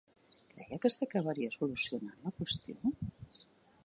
Creia que s'acabaria solucionant la qüestió?